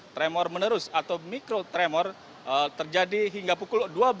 tremor menerus atau mikrotremor terjadi hingga pukul dua belas